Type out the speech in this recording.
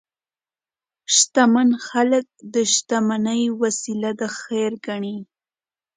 شتمن خلک د شتمنۍ وسیله د خیر ګڼي.